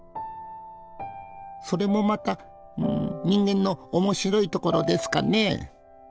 それもまた人間の面白いところですかね。